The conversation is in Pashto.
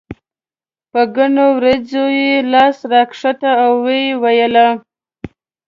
په ګڼو وريځو یې لاس راښکه او یې وویل.